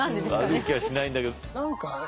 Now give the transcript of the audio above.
悪い気はしないんだけど。